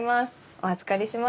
お預かりします。